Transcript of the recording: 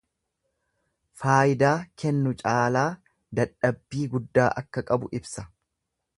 Faayidaa kennu caalaa dadhabbii guddaa akka qabu ibsa.